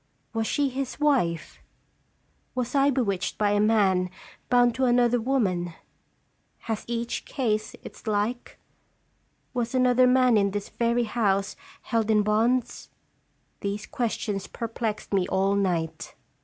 Was she his wife ? Was I bewitched by a man bound to another woman ? Has each case its like ? Was another man in this very house held in bonds? These ques tions perplexed me all night.